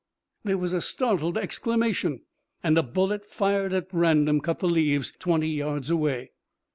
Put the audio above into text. There was a startled exclamation and a bullet fired at random cut the leaves twenty yards away.